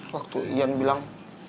waktu yan bilang